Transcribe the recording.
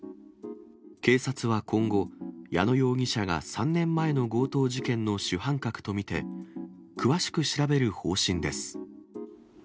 警察は今後、矢野容疑者が３年前の強盗事件の主犯格と見て、詳しく調べる方針です。